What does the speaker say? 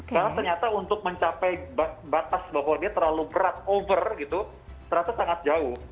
karena ternyata untuk mencapai batas bahwa dia terlalu berat over gitu ternyata sangat jauh